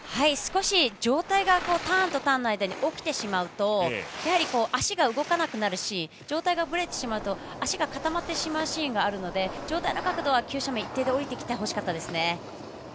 少し上体がターンとターンの間に起きると足が動かなくなるし上体がぶれてしまうと足が固まってしまうシーンがあるので、上体の角度は急斜面、一定で下りてきてほしかったですね。